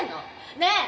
ねえ！